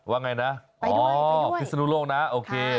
ว่าไงนะอ๋อพิศนุโลกนะโอเค